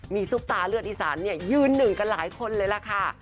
มีซุปตาเลือดอีสานยืนหนึ่งกันหลายคนเลยล่ะค่ะ